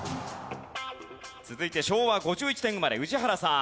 続いて昭和５１年生まれ宇治原さん。